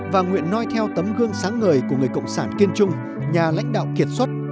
và nguyện noi theo tấm gương sáng ngời của người cộng sản kiên trung nhà lãnh đạo kiệt xuất